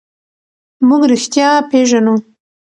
موږ رښتیا پېژنو.